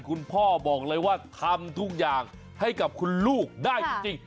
คุณพ่อบอกเลยว่าทำทุกอย่างให้กับคุณลูกได้จริง